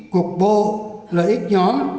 cục bộ lợi ích nhóm